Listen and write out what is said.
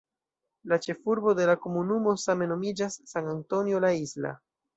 La ĉefurbo de la komunumo same nomiĝas "San Antonio la Isla".